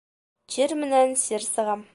Тир менән сир сыға.